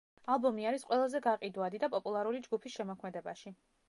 ალბომი არის ყველაზე გაყიდვადი და პოპულარული ჯგუფის შემოქმედებაში.